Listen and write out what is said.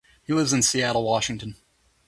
He lives in Seattle, Washington.